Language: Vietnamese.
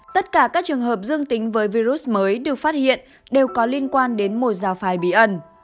tất cả các trường hợp dương tính với virus mới được phát hiện đều có liên quan đến một giáo phái bí ẩn